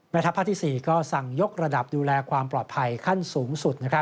ทัพภาคที่๔ก็สั่งยกระดับดูแลความปลอดภัยขั้นสูงสุด